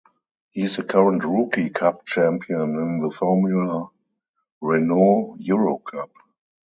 He is the current rookie cup champion in the Formula Renault Eurocup.